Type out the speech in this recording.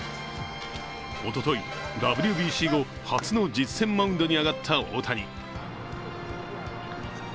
おととい、ＷＢＣ後、初の実戦マウンドに上がった大谷。